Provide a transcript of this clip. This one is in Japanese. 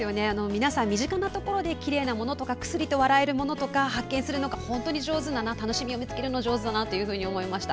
皆さん、身近なところできれいなものとかくすりと笑えるものとか発見するのが上手だな楽しみを見つけるのが上手だなと思いました。